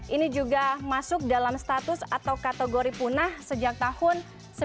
ini juga masuk dalam status atau kategori punah sejak tahun seribu sembilan ratus sembilan puluh